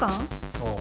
そう。